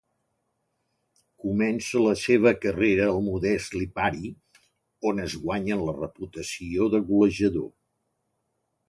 Comença la seua carrera al modest Lipari, on es guanya la reputació de golejador.